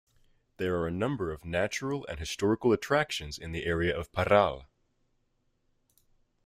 There are a number of natural and historical attractions in the area of Parral.